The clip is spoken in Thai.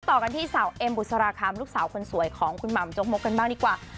ต่อกันที่สาวเอ็มบุษราคำลูกสาวคนสวยของคุณหม่ำจกมกกันบ้างดีกว่า